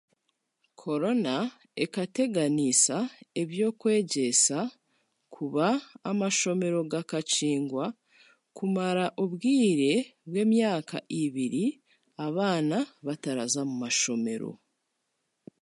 Korona ekateganiisa ebyokwegyesa, kuba amashomero g'akakingwa kumara obwire bw'emyaka ibiri abaana bataraza mu mashomero.